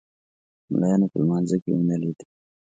ملایانو په لمانځه کې ونه لید.